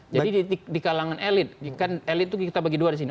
jadi di kalangan elite elite itu kita bagi dua di sini